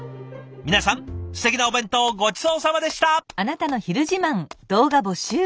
皆さんすてきなお弁当ごちそうさまでした！